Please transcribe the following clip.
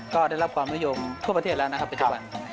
ก็ได้รับความนิยมทั่วประเทศแล้วนะครับปัจจุบัน